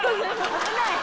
危ない！